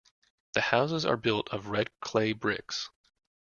The houses are built of red clay bricks.